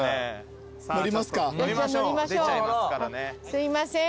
すいません。